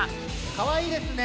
かわいいですね。